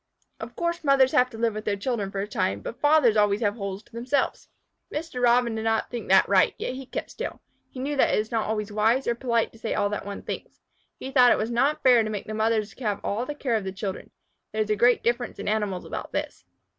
Of course mothers have to live with their children for a time, but fathers always have holes to themselves." Mr. Robin did not think that right, yet he kept still. He knew that it is not always wise or polite to say all that one thinks. He thought it was not fair to make the mothers have all the care of the children. There is great difference in animals about this.